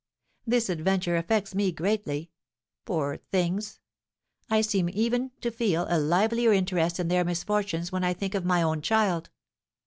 This adventure affects me greatly. Poor things! I seem even to feel a livelier interest in their misfortunes when I think of my own child."